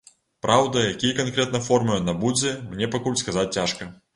Праўда, якія канкрэтна формы ён набудзе, мне пакуль сказаць цяжка.